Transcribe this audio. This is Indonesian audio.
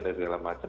dari segala macam